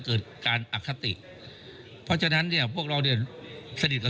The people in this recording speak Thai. เกิดการอคติเพราะฉะนั้นเนี่ยพวกเราเนี่ยสนิทกับ